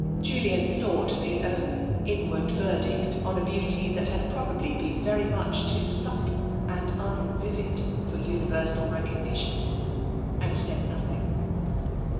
Julian thought of his own inward verdict on a beauty that had probably been very much too subtle and un vivid for universal recognition, and said nothing.